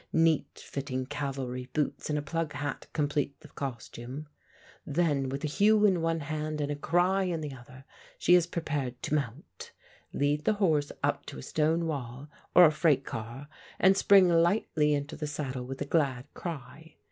Neat fitting cavalry boots and a plug hat complete the costume. Then, with a hue in one hand and a cry in the other, she is prepared to mount. Lead the horse up to a stone wall or a freight car and spring lightly into the saddle with a glad cry.